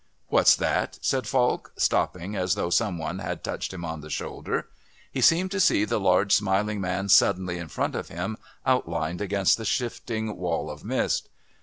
"What's that?" said Falk, stopping as though some one had touched him on the shoulder. He seemed to see the large smiling man suddenly in front of him outlined against a shifting wall of mist.